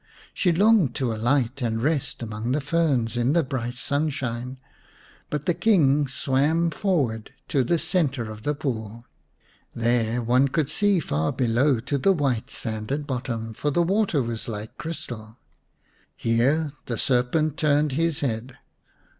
She longed to alight and rest among the ferns in the bright sunshine, but the King swam forward to the centre of the pool. There one could see far below to the white sanded bottom, for the water was like crystal. Here the serpent turned his head.